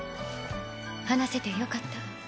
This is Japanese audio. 話せてよかった。